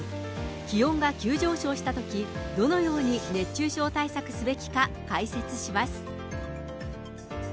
気温が急上昇したとき、どのように熱中症対策すべきか解説します。